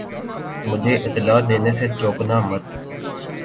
مجھے اطلاع دینے سے چوکنا مت